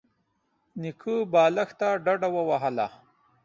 نيکه بالښت ته ډډه ووهله.